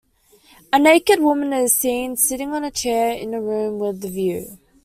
A naked woman is seen sitting on a chair in a room with view.